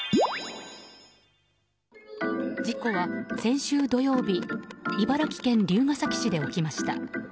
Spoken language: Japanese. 事故は先週土曜日茨城県龍ケ崎市で起きました。